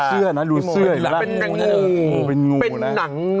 เทฉันไงเถอะ